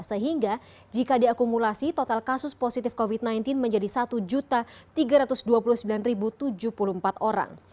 sehingga jika diakumulasi total kasus positif covid sembilan belas menjadi satu tiga ratus dua puluh sembilan tujuh puluh empat orang